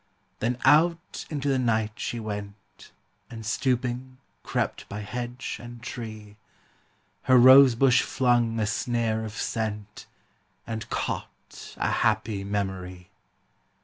Then out into the night she went, And, stooping, crept by hedge and tree; Her rose bush flung a snare of scent, And caught a happy memory.